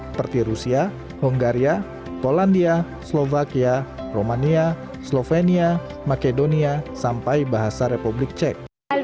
seperti rusia hongaria polandia slovakia romania slovenia makedonia sampai bahasa republik cek